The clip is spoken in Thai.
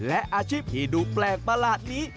และอาชีพที่ดูแปลกประหลาดนี้